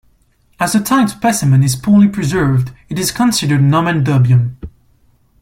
As the type specimen is poorly preserved it is considered nomen dubium.